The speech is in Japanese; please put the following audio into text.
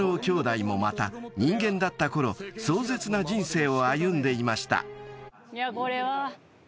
きょうだいもまた人間だったころ壮絶な人生を歩んでいました］